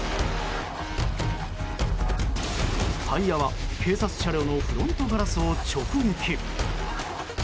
タイヤは警察車両のフロントガラスを直撃。